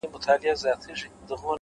د گران صفت كومه؛